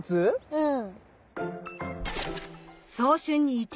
うん。